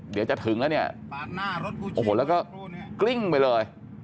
เดี๋ยวจะถึงแล้วแล้วก็กลิ้งไปเลย